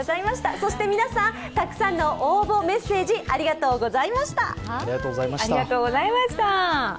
そして皆さん、たくさんの応募、メッセージ、ありがとうございました。